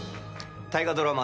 大河ドラマ